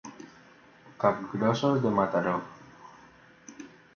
Capgrossos de Mataró.